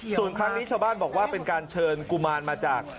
ส่วนครั้งนี้ชาวบ้านบอกว่าเป็นการเชิญกุมารมาจาก